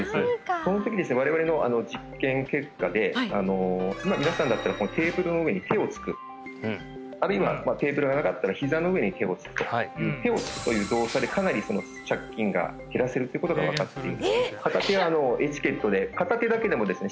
そのとき我々の実験結果で今皆さんだったらテーブルの上に手をつくあるいはテーブルがなかったらひざの上に手をつくと手をつくという動作でかなり借金が減らせるっていうことが分かっている片手はエチケットで片手だけでもですね